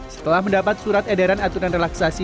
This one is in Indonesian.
setelah mendapat surat edaran aturan relaksasi